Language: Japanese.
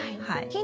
はい。